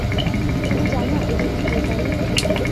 তুমি জান এজন্যে কে দায়ী?